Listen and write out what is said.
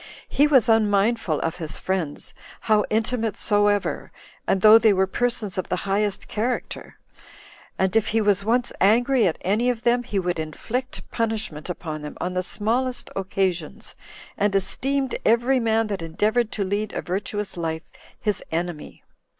He was unmindful of his friends, how intimate soever, and though they were persons of the highest character; and if he was once angry at any of them, he would inflict punishment upon them on the smallest occasions, and esteemed every man that endeavored to lead a virtuous life his enemy.